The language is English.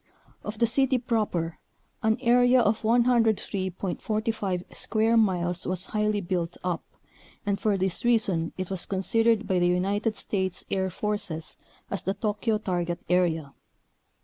Of the city proper an area of 103.45 square miles was highly built up, and for this reason it was considered by the United States Air Forces as the Tokyo target area.